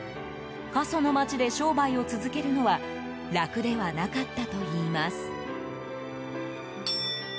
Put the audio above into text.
過疎の町で商売を続けるのは楽ではなかったといいます。